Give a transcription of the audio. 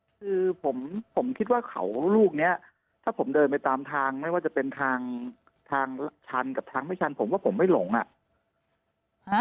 คือผมคิดว่าเขาลูกนี้ถ้าผมเดินไปตามทางไม่ว่าจะเป็นทางทางชันกับทางไม่ชันผมว่าผมไม่หลงอ่ะ